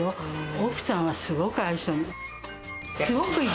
奥さんはすごく愛想がいい。